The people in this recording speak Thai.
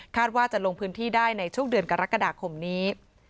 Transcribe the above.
ว่าจะลงพื้นที่ได้ในช่วงเดือนกรกฎาคมนี้